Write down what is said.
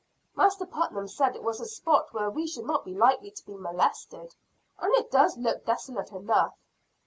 Master Putnam said it was a spot where we should not be likely to be molested. And it does look desolate enough."